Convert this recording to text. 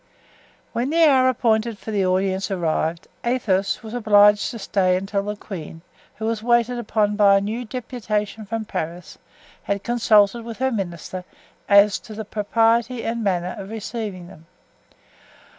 When the hour appointed for the audience arrived Athos was obliged to stay until the queen, who was waited upon by a new deputation from Paris, had consulted with her minister as to the propriety and manner of receiving them.